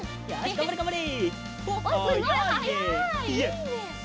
がんばれがんばれ！